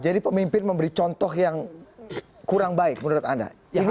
jadi pemimpin memberi contoh yang kurang baik menurut anda